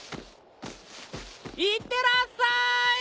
いってらっさーい！